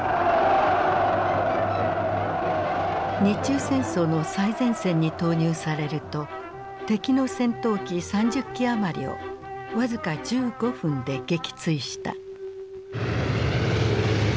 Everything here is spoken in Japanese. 日中戦争の最前線に投入されると敵の戦闘機３０機余りを僅か１５分で撃墜した。